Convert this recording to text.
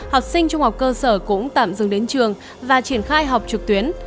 học sinh trung học cơ sở cũng tạm dừng đến trường và triển khai học trực tuyến